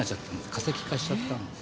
化石化しちゃったんです。